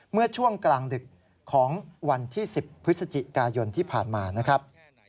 เมื่อช่วงกลางดึกของวันที่๑๐พฤศจิกายนที่ผ่านมานะครับ